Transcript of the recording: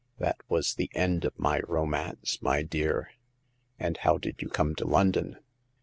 That was the end of my romance, my dear." "And how did you come to London